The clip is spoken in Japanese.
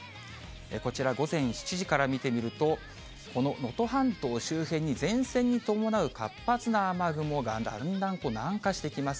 こちら午前７時から見てみると、この能登半島周辺に前線に伴う活発な雨雲がだんだん南下してきます。